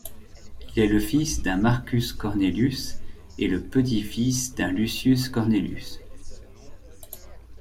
Il est le fils d'un Marcus Cornelius et le petit-fils d'un Lucius Cornelius.